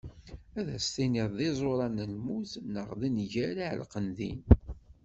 Ad as-tinniḍ d iẓuran n lmut naɣ n nnger i iɛelqen din.